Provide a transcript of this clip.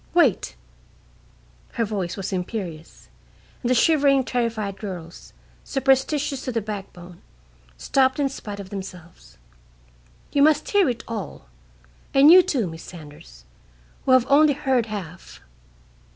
Wait!" Her voice was imperious; and the shivering, terrified girls, superstitious to the backbone, stopped in spite of themselves. "You must hear it all, and you, too, Miss Saunders, who have only heard half.